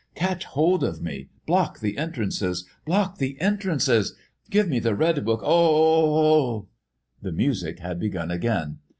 Catch hold of me! Block the entrances! Block the entrances! Give me the red book! Oh, oh, oh h h h!!!" The music had begun again.